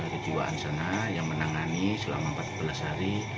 kejiwaan sana yang menangani selama empat belas hari